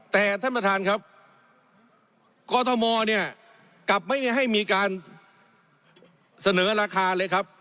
แต่ท่านประธานครับกรทมเนี่ยกลับไม่ให้มีการเสนอราคาเลยครับ